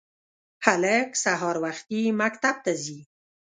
هلک سهار وختي مکتب ته ځي